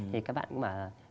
thì các bạn mà